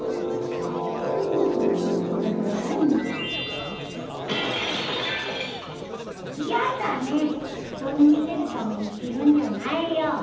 ウフンやだね人に見せるために着るんじゃないよ。